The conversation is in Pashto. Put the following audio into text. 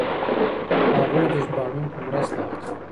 هغوی د ژباړونکو مرسته اخلي.